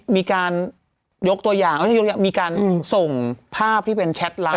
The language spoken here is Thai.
มีการยกตัวอย่างมีการส่งภาพที่เป็นแชทไลค